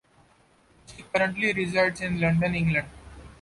She currently resides in London, England.